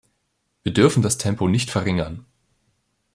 Wir dürfen das Tempo nicht verringern.